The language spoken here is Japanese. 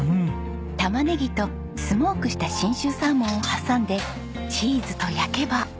タマネギとスモークした信州サーモンを挟んでチーズと焼けば。